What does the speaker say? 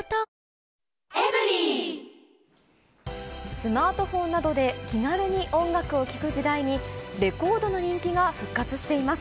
スマートフォンなどで気軽に音楽を聴く時代に、レコードの人気が復活しています。